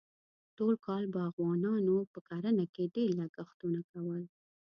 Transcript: ټول کال باغوانانو په کرنه کې ډېر لګښتونه کول.